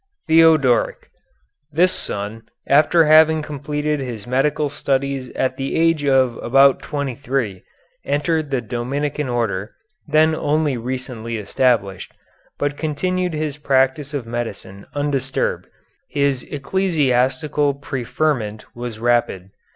THEODORIC This son, after having completed his medical studies at the age of about twenty three, entered the Dominican Order, then only recently established, but continued his practice of medicine undisturbed. His ecclesiastical preferment was rapid.